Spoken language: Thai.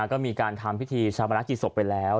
ก็มีการทำพิธีชาวประนักกิจศพไปแล้ว